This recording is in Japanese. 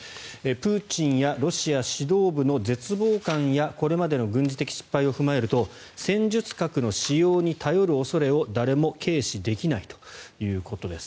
プーチンやロシア指導部の絶望感やこれまでの軍事的失敗を踏まえると戦術核の使用に頼る恐れを誰も軽視できないということです。